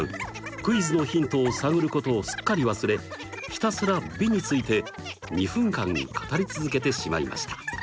クイズのヒントを探ることをすっかり忘れひたすら美について２分間語り続けてしまいました！